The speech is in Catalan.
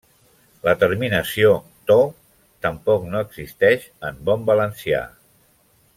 La terminació -to-, tampoc no existeix en bon valencià.